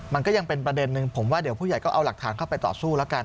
มันก็ยังเป็นประเด็นนึงผมว่าเดี๋ยวผู้ใหญ่ก็เอาหลักฐานเข้าไปต่อสู้แล้วกัน